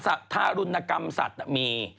ทารุณกรรมสัตว์มี